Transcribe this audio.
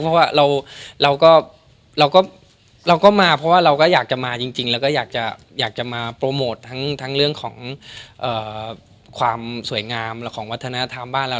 เพราะว่าเราก็มาเพราะว่าเราก็อยากจะมาจริงแล้วก็อยากจะมาโปรโมททั้งเรื่องของความสวยงามและของวัฒนธรรมบ้านเรา